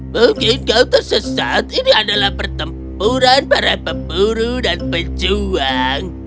mungkin kau tersesat ini adalah pertempuran para pemburu dan pejuang